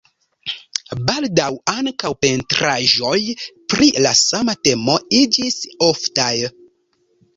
Baldaŭ ankaŭ pentraĵoj pri la sama temo iĝis oftaj.